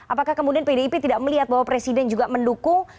apakah kemudian pdip tidak melihat bahwa presiden juga mendukung